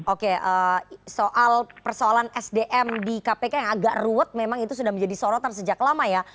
oke soal persoalan sdm di kpk yang agak ruwet memang itu sudah menjadi sorotan sejak lama ya